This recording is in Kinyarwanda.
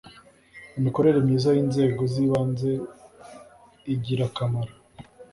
imikorere myiza y ‘inzego z ‘ibanze igirakamaro.